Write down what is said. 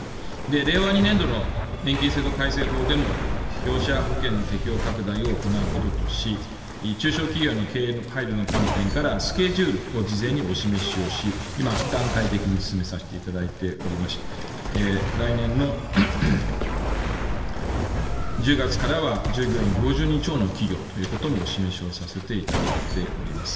令和２年度の年金制度改正法でも被用者保険の適用拡大を行うこととし、中小企業の経営の配慮の観点からスケジュールを事前にお示しをし、今、段階的に進めさせていただいておりまして、来年の１０月からは従業員５０人超の企業ということもお示しをさせていただいております。